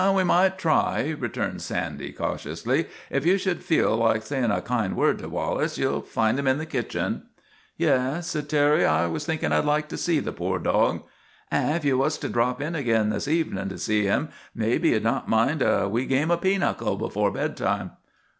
" We might try," returned Sandy, cautiously. "If you should feel like say in' a kind word to W T al lace ye '11 find him in the kitchen." " Yes," said Terry, " I was thinkin' I 'd like to see the poor dog." " An' if you was to drop in again this evenin' to see him maybe ye 'd not mind a wee game o' pinochle before bedtime."